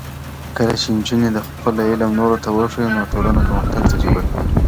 کله چې نجونې خپل علم نورو ته وښيي، نو ټولنه پرمختګ تجربه کوي.